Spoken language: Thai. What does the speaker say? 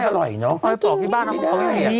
พอดีกินไม่ได้